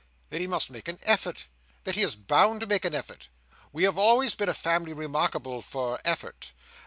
That he must make an effort. That he is bound to make an effort. We have always been a family remarkable for effort.